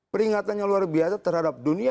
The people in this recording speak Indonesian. peringatannya luar biasa terhadap dunia